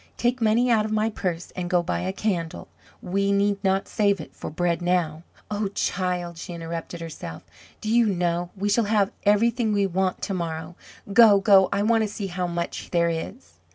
Take money out of my purse and go buy a candle. We need not save it for bread now. Oh, child!" she interrupted herself, "do you know, we shall have everything we want to morrow. Go! Go! I want to see how much there is."